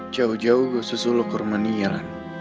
jauh jauh gue susu lokor menyerang